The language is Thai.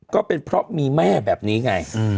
ก็เป็นเพราะมีแม่แบบนี้ไง